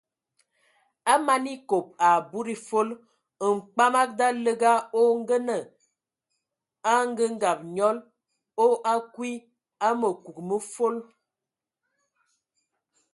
A man ekob a budi fol, mkpamag ndaləga o ngənə angəngab nyɔl,o akwi a məkug mə fol.